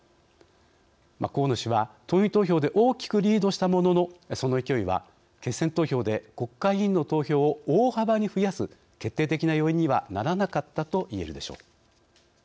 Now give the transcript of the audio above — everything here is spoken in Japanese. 河野氏は、党員投票で大きくリードしたもののその勢いは、決選投票で国会議員の投票を大幅に増やす決定的な要因にはならなかったといえるでしょう。